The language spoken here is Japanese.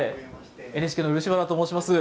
ＮＨＫの漆原と申します。